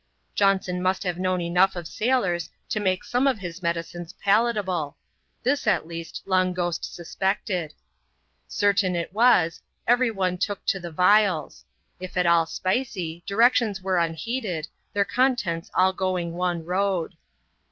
Johnson must have known enough of Bailors to make some of his medicines palatable — this, at least, Long Ghost suspected. Certain it was, every one took to the vials ; if at all spicy, directions were unheeded, their contents all going one road.